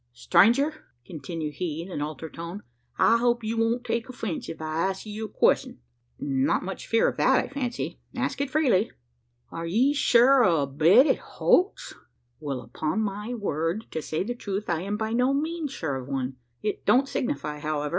"Stranger!" continued he in an altered tone, "I hope you won't take offence if I ask you a question?" "Not much fear of that, I fancy. Ask it freely." "Are ye sure o' a bed at Holt's?" "Well, upon my word, to say the truth, I am by no means sure of one. It don't signify, however.